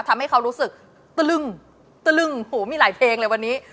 ทำให้เขารู้สึกตะลึงตะลึงโหมีหลายเพลงเลยวันนี้